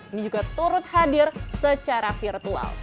ini juga turut hadir secara virtual